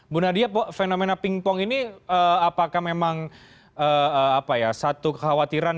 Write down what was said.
bu nadia fenomena pingpong ini apakah memang satu kekhawatiran